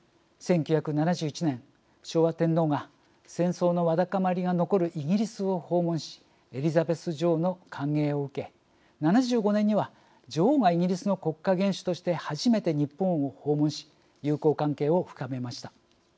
１９７１年昭和天皇が戦争のわだかまりが残るイギリスを訪問しエリザベス女王の歓迎を受け７５年には女王がイギリスの国家元首として初めて日本を訪問し友好関係を深めました。